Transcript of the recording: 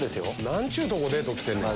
何ちゅうとこデート来てんねん。